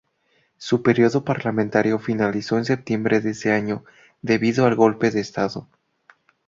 Su período parlamentario finalizó en septiembre de ese año, debido al Golpe de Estado.